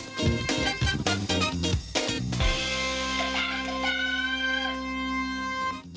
อืมอันนี้ไม่เคยเห็น